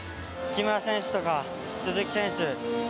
木村選手とか、鈴木選手